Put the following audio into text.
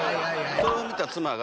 それを見た妻が。